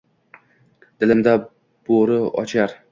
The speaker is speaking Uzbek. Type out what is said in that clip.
Dilimda bori oʼchar